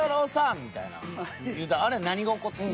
みたいな言うたんあれ何が起こったん？